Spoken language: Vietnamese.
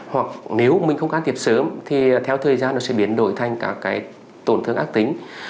hoặc nếu mình không can thiệp sớm thì theo thời gian nó sẽ biến đổi thành các tổn thương ác tính